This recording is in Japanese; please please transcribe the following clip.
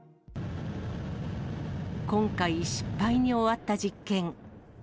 今回、失敗に終わった実験。